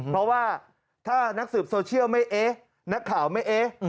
เพราะว่าถ้านักสืบโซเชียลไม่เอ๊ะนักข่าวไม่เอ๊ะ